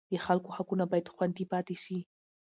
د خلکو حقونه باید خوندي پاتې شي.